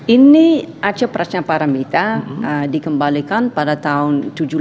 ini arca prashnaparamita dikembalikan pada tahun seribu sembilan ratus tujuh puluh delapan